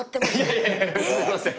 いやいやすいません。